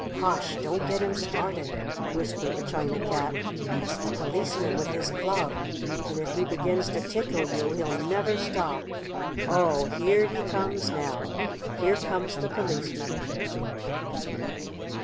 "Hush! Don't get him started," whispered the China Cat. "It's the Policeman with his club, and if he begins to tickle you he'll never stop. Oh, here he comes now! Here comes the Policeman!"